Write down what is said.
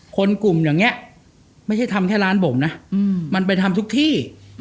คนกลุ่มอย่างนี้ไม่ใช่ทำแค่ร้านผมนะมันไปทำทุกที่